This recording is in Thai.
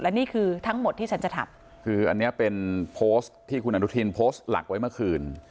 และนี่คือทั้งหมดที่ฉันจะทำคืออันนี้เป็นโพสต์ที่คุณอนุทินโพสต์หลักไว้เมื่อคืน